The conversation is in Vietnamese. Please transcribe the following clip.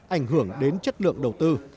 ảnh hưởng đến chất lượng lợi